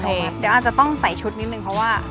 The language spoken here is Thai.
เดี๋ยวอาจจะต้องใส่ชุดนิดนึงเพราะว่า